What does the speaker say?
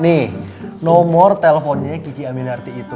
nih nomor teleponnya gigi aminarti itu